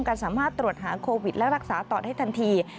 การสามารถตรวจฮาโควิดและรักษาตอนให้ทันที